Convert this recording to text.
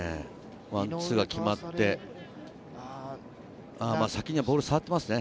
ワンツーが決まって、先にボールに触っていますね。